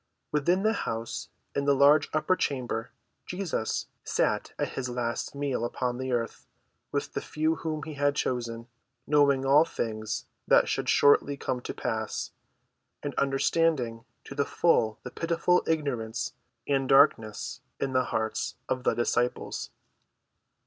Within the house, in a large upper chamber, Jesus sat at his last meal upon earth with the few whom he had chosen, knowing all things that should shortly come to pass, and understanding to the full the pitiful ignorance and darkness in the hearts of the disciples.